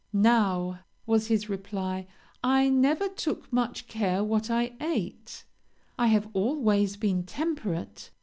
'Now,' was his reply, 'I never took much care what I ate; I have always been temperate.